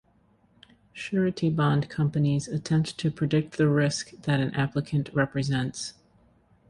Surety bond companies attempt to predict the risk that an applicant represents.